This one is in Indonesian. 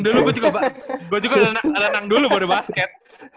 dulu gue juga berenang dulu baru basket